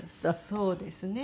そうですね。